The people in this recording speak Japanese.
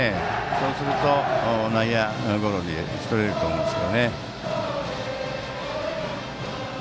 そうすると内野ゴロで打ち取れると思います。